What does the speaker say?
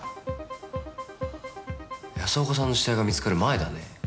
安岡さんの死体が見つかる前だね。